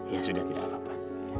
ya sudah tidak apa apa